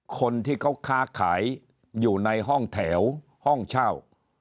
คนที่เขาค้าขายอยู่ในห้องแถวห้องเช่า